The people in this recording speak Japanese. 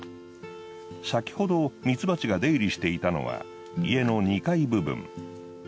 先ほどミツバチが出入りしていたのは家の２階部分。